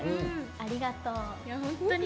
ありがとう。